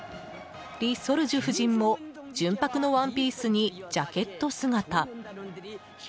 リ・ソルジュ夫人も純白のワンピースにジャケット姿。